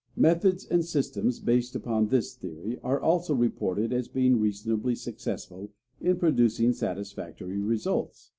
Methods and systems based upon this theory are also reported as being reasonably successful in producing satisfactory results.